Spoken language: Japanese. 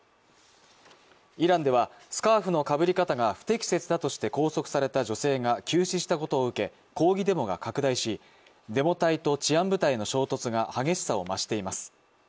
イランでは、スカーフのかぶり方が不適切だとして拘束された女性が急死したことを受け抗議デモが拡大しデモ隊と治安部隊の衝突が激しさを増しています。